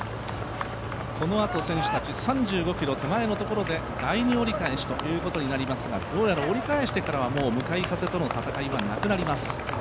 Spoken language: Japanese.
このあと選手たち、３５ｋｍ手前のところで第２折り返しということになりますがどうやら折り返してからは向かい風との戦いはなくなります。